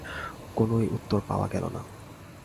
কোনোই উত্তর পাওয়া গেল না।